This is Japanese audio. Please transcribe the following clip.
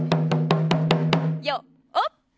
よっ！